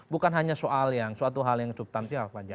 bukan hanya soal yang subtansi